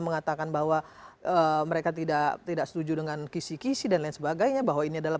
mengatakan bahwa mereka tidak tidak setuju dengan kisi kisi dan lain sebagainya bahwa ini adalah